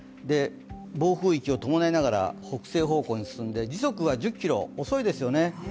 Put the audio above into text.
暴風域を伴いながら北西方向に進んで時速は１０キロ、遅いですよね。